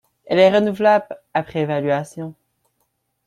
Elle est renouvelable après évaluation.